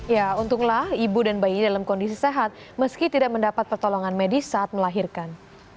ya untunglah ibu dan bayinya dalam kondisi sehat meski tidak mendapat pertolongan medis saat melahirkan